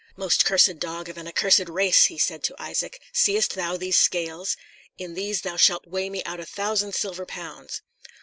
"Most cursed dog of an accursed race!" he said to Isaac, "see'st thou these scales? In these shalt thou weigh me out a thousand silver pounds."